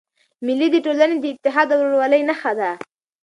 مېلې د ټولني د اتحاد او ورورولۍ نخښه ده.